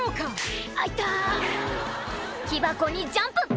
木箱にジャンプ！